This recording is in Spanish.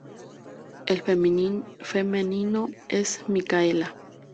El femenino es Micaela.